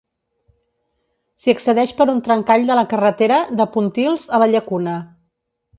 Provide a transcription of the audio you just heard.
S'hi accedeix per un trencall de la carretera de Pontils a la Llacuna.